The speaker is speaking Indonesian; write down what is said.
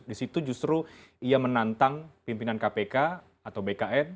di situ justru ia menantang pimpinan kpk atau bkn